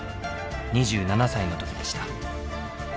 ２７歳の時でした。